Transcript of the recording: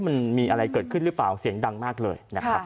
มันมีอะไรเกิดขึ้นหรือเปล่าเสียงดังมากเลยนะครับ